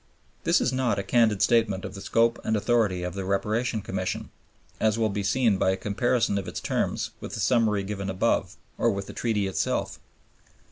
This is not a candid statement of the scope and authority of the Reparation Commission, as will be seen by a comparison of its terms with the summary given above or with the Treaty itself.